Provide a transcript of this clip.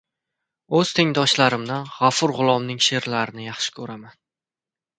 — O‘z tengdoshlarimdan G‘afur G‘ulomning she’rlarini yaxshi ko‘raman